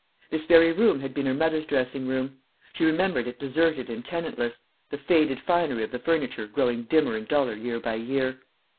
This very room had been her mother's dressing room. She remembered it deserted and tenantless, the faded finery of the furniture growing dimmer and duller year by year.